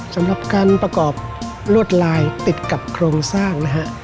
สำหรับการประกอบลวดลายติดกับโครงสร้างนะฮะ